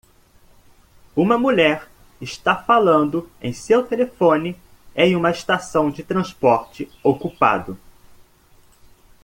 Uma mulher está falando em seu telefone em uma estação de transporte ocupado.